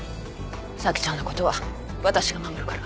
咲ちゃんのことは私が守るから。